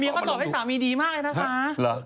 เมียเขาตอบให้สามีดีมากเลยนะคะ